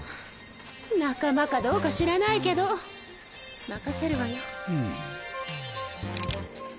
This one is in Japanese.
仲間かどうか知らないけど任せるわよ。